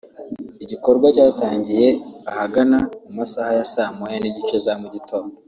igikorwa cyatangiye ahagana mu ma saa moya n’igice za mu gitondo